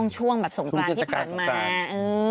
ช่วงแบบสงกรานที่ผ่านมา